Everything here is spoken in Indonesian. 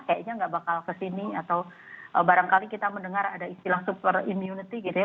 kayaknya nggak bakal kesini atau barangkali kita mendengar ada istilah super immunity gitu ya